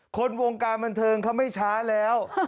คนวงการบันเทิงเขาไม่ช้าแล้ว